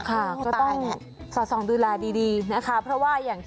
ค่ะก็ต้องสอดส่องดูแลดีนะคะเพราะว่าอย่าง